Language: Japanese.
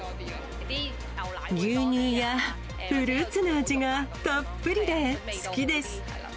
牛乳やフルーツの味がたっぷりで好きです。